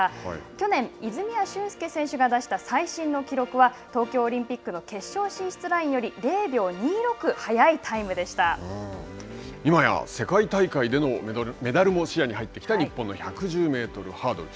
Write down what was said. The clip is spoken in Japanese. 去年、泉谷駿介選手が出した最新の記録は東京オリンピックの決勝進出ラインより０秒２６今や世界大会でのメダルも視野に入ってきた日本の１１０メートルハードル。